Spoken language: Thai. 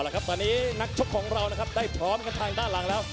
ตอนนี้นักชกของเราได้พร้อมกันทางด้านหลังแล้ว